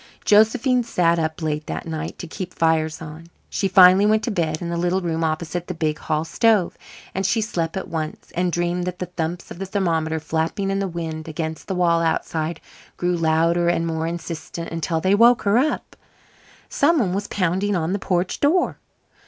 Josephine sat up late that night to keep fires on. She finally went to bed in the little room opposite the big hall stove, and she slept at once, and dreamed that the thumps of the thermometer flapping in the wind against the wall outside grew louder and more insistent until they woke her up. Some one was pounding on the porch door.